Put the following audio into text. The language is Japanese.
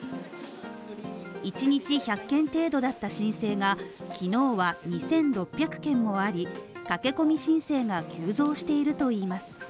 １日１００件程度だった申請が昨日は２６００件もあり、駆け込み申請が急増しているといいます。